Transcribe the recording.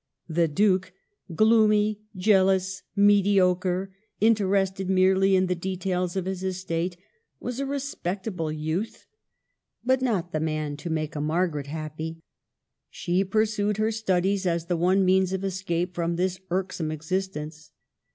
The Duke, gloomy, jealous, mediocre, inter ested merely in the details of his estate, was a respectable youth, but not the man to make a Margaret happy. She pursued lier studies as the one means of escape from this irksome ex istence.